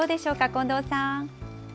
近藤さん。